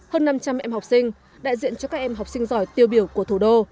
hơn năm trăm linh em học sinh đại diện cho các em học sinh giỏi tiêu biểu của thủ đô